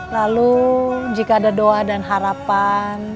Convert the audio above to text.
lalu jika ada doa dan harapan